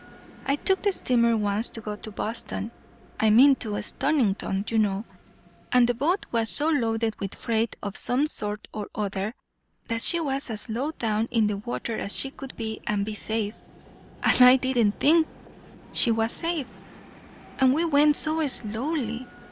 I took the steamer once to go to Boston I mean to Stonington, you know; and the boat was so loaded with freight of some sort or other that she was as low down in the water as she could be and be safe; and I didn't think she was safe. And we went so slowly!